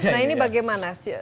nah ini bagaimana